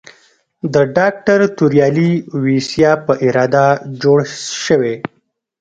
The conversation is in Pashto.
د ډاکټر توریالي ویسا په اراده جوړ شوی.